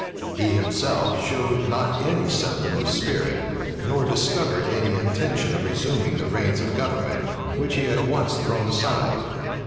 He himself showed not any symptom of spirit, nor discovered any intention of resuming the reins of government which he had once thrown aside.